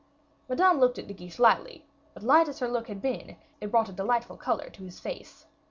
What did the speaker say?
Madame looked at De Guiche lightly, but light as her look had been, it brought a delightful color to his face.